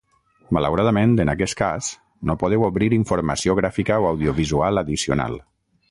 Malauradament, en aquest cas, no podeu obrir informació gràfica o audiovisual addicional.